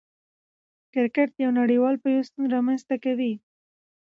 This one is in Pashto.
کرکټ یو نړۍوال پیوستون رامنځ ته کوي.